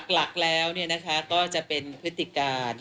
หลักแล้วเนี่ยนะคะก็จะเป็นพฤติการ